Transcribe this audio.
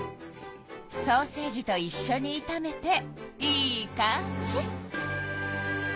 ソーセージといっしょにいためてイカんじ！